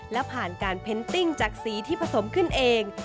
และผ่านการเพนติ้งจากสีที่ผสมขึ้นเอง